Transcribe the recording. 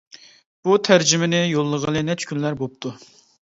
بۇ تەرجىمىنى يوللىغىلى نەچچە كۈنلەر بوپتۇ.